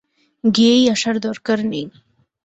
গিয়েই আসার দরকার নেই।